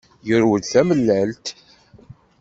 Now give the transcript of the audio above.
Yurew-d tamellalt.